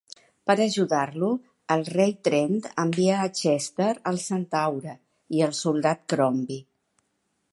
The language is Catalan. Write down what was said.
Per ajudar-lo, el Rei Trent envia a Chester, el Centaure, i al soldat Crombie.